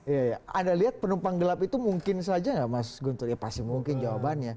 iya anda lihat penumpang gelap itu mungkin saja nggak mas guntur ya pasti mungkin jawabannya